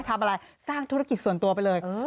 ทำอะไรสร้างธุรกิจส่วนตัวไปเลย